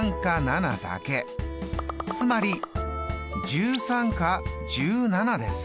つまり１３か１７です。